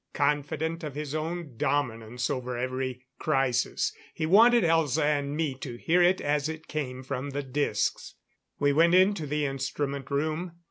Confident of his own dominance over every crisis, he wanted Elza and me to hear it as it came from the discs. We went to the instrument room.